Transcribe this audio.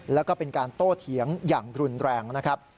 แล้วก็เป็นการโต้เถียงอย่างรุนแรงนะครับ